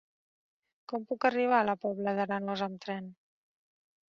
Com puc arribar a la Pobla d'Arenós amb tren?